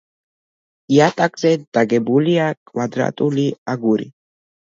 იატაკზე დაგებულია კვადრატული აგური.